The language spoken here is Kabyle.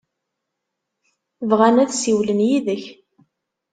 Bɣan ad ssiwlen yid-k.